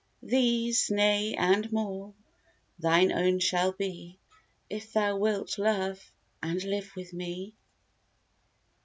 These, nay, and more, thine own shall be, If thou wilt love, and live with me.